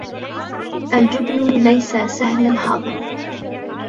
الجبن ليس سهل الهضم.